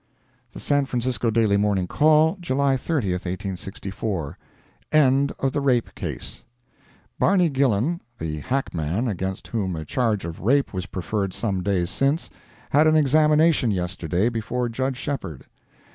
The San Francisco Daily Morning Call, July 30, 1864 END OF THE RAPE CASE Barney Gillan, the hackman against whom a charge of rape was preferred some days since, had an examination yesterday before Judge Shepheard.